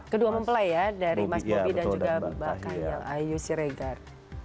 kedua mempelai ya dari mas bobby dan juga bapak kayang ayu siregar